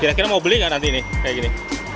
kira kira mau beli gak nanti ini